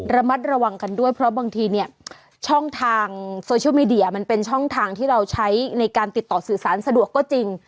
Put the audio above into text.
ระมัดระวังกันด้วยเพราะบางทีเนี่ยช่องทางโซเชียลมีเดียมันเป็นช่องทางที่เราใช้ในการติดต่อสื่อสารสะดวกก็จริง